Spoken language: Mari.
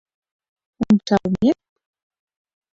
Ончалмек